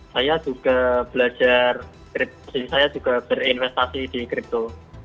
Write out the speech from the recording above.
saya juga belajar saya juga berinvestasi di crypto